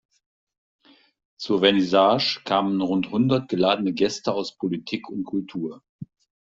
Zur Vernissage kamen rund hundert geladene Gäste aus Politik und Kultur.